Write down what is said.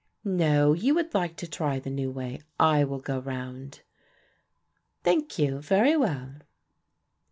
"No, you would like to try the new way; I will go round." "Thank you, very well."